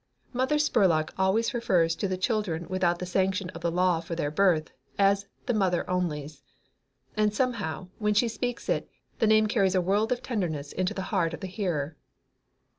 Mother Spurlock always refers to the children without the sanction of the law for their birth as the Mother Onlies, and somehow, when she speaks it, the name carries a world of tenderness into the heart of the hearer.